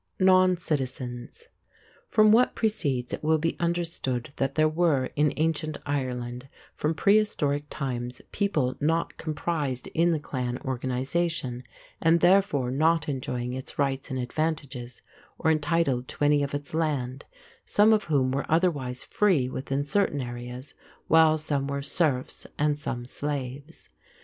NON CITIZENS. From what precedes it will be understood that there were in ancient Ireland from prehistoric times people not comprised in the clan organization, and therefore not enjoying its rights and advantages or entitled to any of its land, some of whom were otherwise free within certain areas, while some were serfs and some slaves.